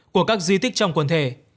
của các di tích trong quần thể